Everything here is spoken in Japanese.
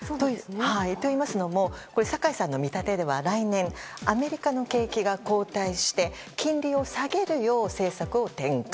といいますのも酒井さんの見立てでは、来年アメリカの景気が後退して金利を下げるよう政策を転換。